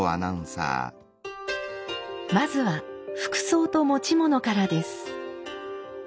まずは服装と持ち物からです。